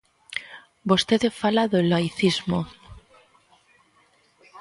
Vostede fala do laicismo.